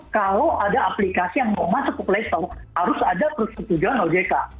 kalau ada aplikasi yang mau masuk ke play stop harus ada persetujuan ojk